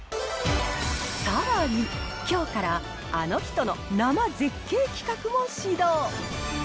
さらに、きょうからあの人の生絶景企画も始動。